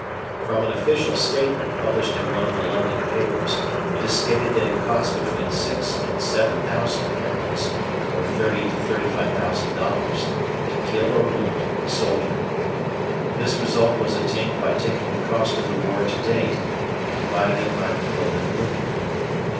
From an official statement published in one of the London papers, it is stated that it costs between six and seven thousand pounds ($30,000 to $35,000) to kill or wound a soldier. This result was attained by taking the cost of the war to date and dividing it by the killed and wounded.